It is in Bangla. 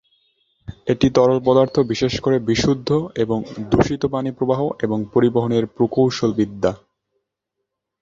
এটি তরল পদার্থ বিশেষ করে বিশুদ্ধ এবং দূষিত পানি প্রবাহ এবং পরিবহনের প্রকৌশল বিদ্যা।